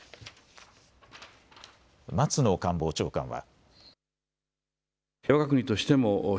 松野官房長官は。